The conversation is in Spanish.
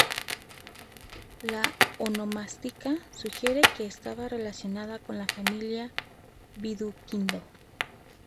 La onomástica sugiere que estaba relacionado con la familia de Viduquindo.